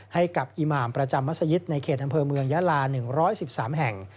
ให้กับอิมามประจำมัศยิตในเขตอำเภอเมืองยาลา๑๑๓แห่ง